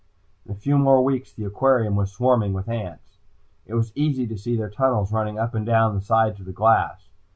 In a few more weeks the aquarium was swarming with ants. It was easy to see their tunnels running up and down the sides of the glass.